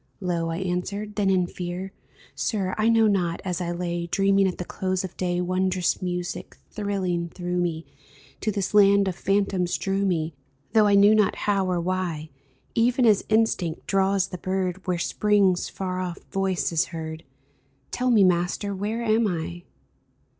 Low I answered, then, in fear :" Sir, I know not ; as I lay Dreaming at the close of day, Wondrous music, thrilling through me, To this land of phantoms drew me, Though I knew not how or why, Even as instinct draws the bird Where Spring's far off voice is heard. Tell me, Master, where am I